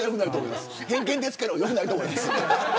偏見ですけど良くないと思います。